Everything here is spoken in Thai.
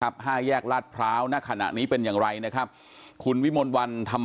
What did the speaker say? ห้าแยกลาดพร้าวณขณะนี้เป็นอย่างไรนะครับคุณวิมลวันทำ